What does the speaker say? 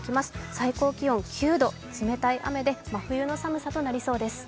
最高気温９度、冷たい雨で真冬の寒さとなりそうです。